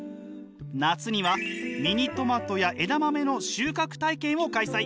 夏にはミニトマトや枝豆の収穫体験を開催。